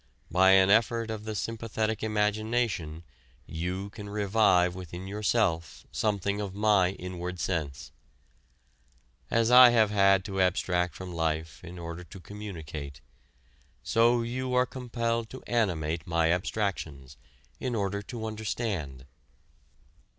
By an effort of the sympathetic imagination you can revive within yourself something of my inward sense. As I have had to abstract from life in order to communicate, so you are compelled to animate my abstractions, in order to understand.